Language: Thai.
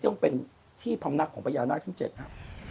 ที่ต้องเป็นที่พรรมนักของประญาณาขึ้นเจ็ดครับ